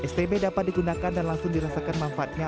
stb dapat digunakan dan langsung dirasakan manfaatnya